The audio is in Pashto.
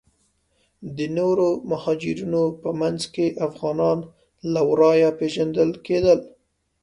د نورو مهاجرینو په منځ کې افغانان له ورایه پیژندل کیدل.